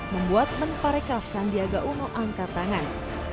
membuat menparekraf sandiaga uno angkat tangan